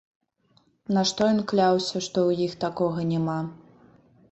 На што ён кляўся, што ў іх такога няма.